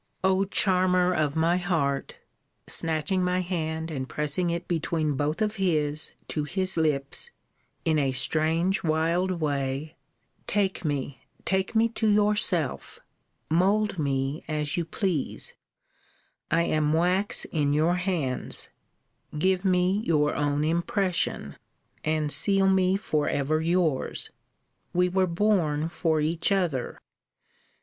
O charmer of my heart! snatching my hand, and pressing it between both of his, to his lips, in a strange wild way, take me, take me to yourself: mould me as you please: I am wax in your hands; give me your own impression; and seal me for ever yours we were born for each other!